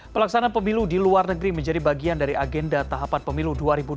pelaksanaan pemilu di luar negeri menjadi bagian dari agenda tahapan pemilu dua ribu dua puluh